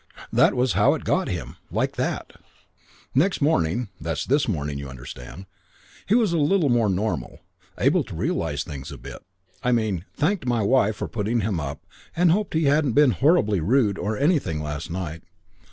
That was how it got him. Like that. "Next morning that's this morning, you understand he was a little more normal, able to realise things a bit, I mean: thanked my wife for putting him up and hoped he hadn't been horribly rude or anything last night.